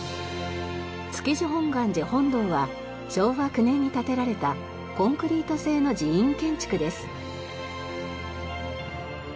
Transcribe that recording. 築地本願寺本堂は昭和９年に建てられたコンクリート製の寺院建築です。